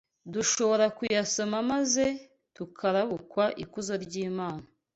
dushobora kuyasoma maze tukarabukwa ikuzo ry’Imana